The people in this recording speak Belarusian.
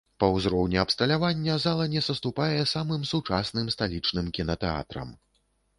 Па ўзроўні абсталявання зала не саступае самым сучасным сталічным кінатэатрам.